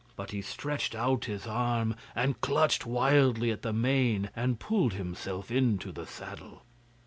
But he stretched out his arm and clutched wildly at the mane and pulled himself into the saddle.